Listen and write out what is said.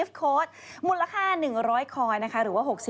สวัสดีค่าข้าวใส่ไข่